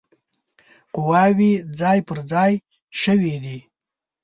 قواوي ځای پر ځای شوي دي.